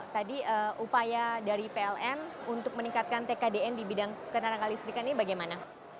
tadi upaya dari pln untuk meningkatkan tkdn di bidang tenaga listrikan ini bagaimana